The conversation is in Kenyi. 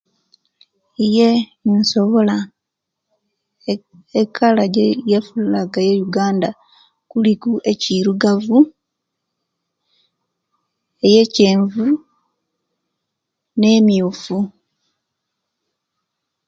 Ye insobola ee eka kale je fulaga ya uganda kuliku ekirugavu eyekyenvu ne'mwuufu